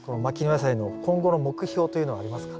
野菜の今後の目標というのはありますか？